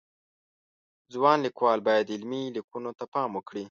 ځوان لیکوالان باید علمی لیکنو ته پام وکړي